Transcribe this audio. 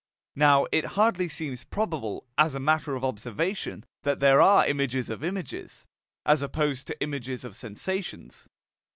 Now, it hardly seems probable, as a matter of observation, that there are images of images, as opposed to images of sensations.